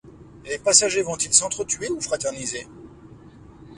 Les passagers vont-ils s'entre-tuer ou fraterniser?